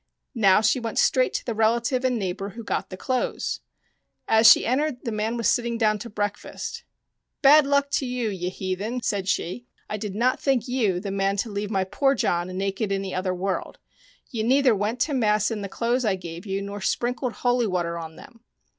Now she went straight to the relative and neighbour who got the clothes. As she entered the man was sitting down to breakfast. " Bad luck to you, you heathen !" said she. " I did not think you the man to leave my poor John naked in the other world. You neither went to mass in the clothes I gave you nor sprinkled holy water on them."